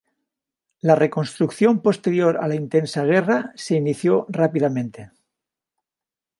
La reconstrucción posterior a la intensa guerra se inició rápidamente.